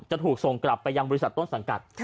จะถูกส่งกลับไปยังบริษัทต้นสังกัด